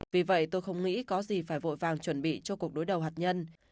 vì vậy tôi không nghĩ có gì phải vội vàng chuẩn bị cho cuộc đối đầu hạt nhân